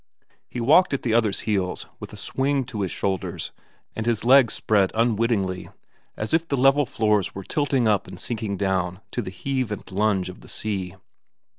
He walked at the other's heels with a swing to his shoulders, and his legs spread unwittingly, as if the level floors were tilting up and sinking down to the heave and lunge of the sea.